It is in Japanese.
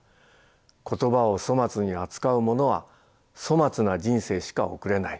言葉を粗末に扱うものは粗末な人生しか送れない。